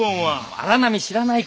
荒波知らないから！